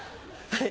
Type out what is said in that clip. はい。